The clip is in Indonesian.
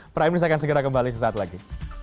pada akhir ini saya akan segera kembali sesaat lagi